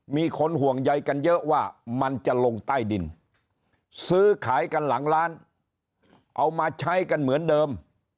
มีคนห่วงใยกันเยอะว่ามันจะลงใต้ดินซื้อขายกันหลังร้านเอามาใช้กันเหมือนเดิม